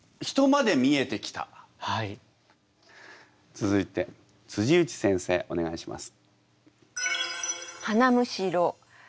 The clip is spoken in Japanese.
続いて内先生お願いします。